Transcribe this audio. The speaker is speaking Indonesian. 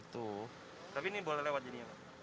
tapi ini boleh lewat jenisnya pak